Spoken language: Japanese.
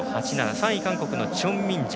３位、韓国のチョン・ミンジェ。